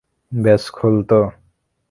ব্যস খোল তো!